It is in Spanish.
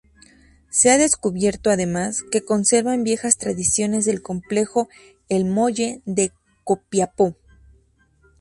Se ha descubierto, además, que conservan viejas tradiciones del Complejo El Molle de Copiapó.